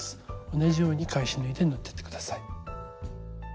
同じように返し縫いで縫ってって下さい。